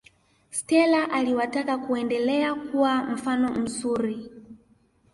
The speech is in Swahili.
stela aliwataka kuendelea kuwa mfano mzuri